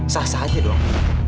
sah sah aja dong